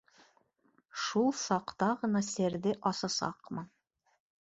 Шул саҡта ғына серҙе асасаҡмын.